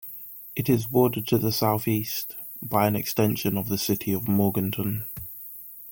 It is bordered to the southeast by an extension of the city of Morganton.